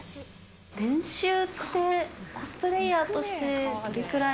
年収って、コスプレーヤーとしてどれくらい？